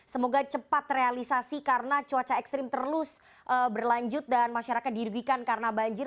semoga cepat realisasi karena cuaca ekstrim terus berlanjut dan masyarakat dirugikan karena banjir